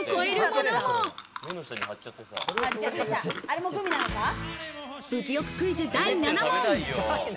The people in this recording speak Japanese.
物欲クイズ第７問。